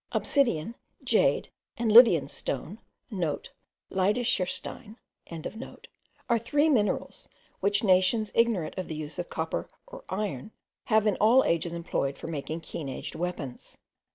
Obsidian, jade, and Lydian stone,* (* Lydischerstein.) are three minerals, which nations ignorant of the use of copper or iron, have in all ages employed for making keen edged weapons.